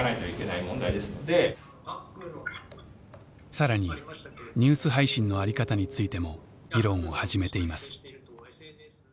更にニュース配信の在り方についても議論を始めています。